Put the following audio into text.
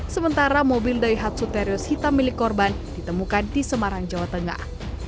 sementara mobil daihatsu terios hitam milik korban ditemukan di semarang jawa tengah